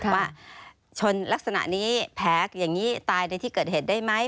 ว่าชนลักษณะนี้แผลอย่างนี้ตายในที่เกิดเหตุได้ไหม